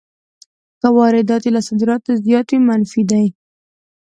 که واردات یې له صادراتو زیات وي منفي ده